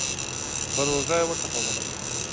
پر اوږه يې وټپولم.